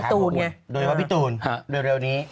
ตูนไงแม่ครับผมโดยว่าพี่ตูนเร็วนี้